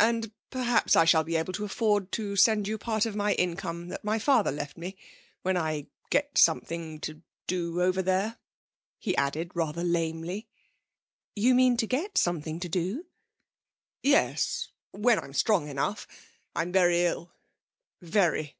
And perhaps I shall be able to afford to send you part of my income that my father left me when I get something to do over there,' he added rather lamely. 'You mean to get something to do?' 'Yes; when I'm strong enough. I'm very ill very.'